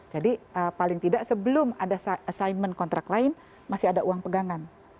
jadi paling tidak sebelum ada assignment kontrak lain masih ada uang pegangan